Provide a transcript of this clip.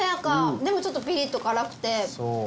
でもちょっとピリッと辛くて。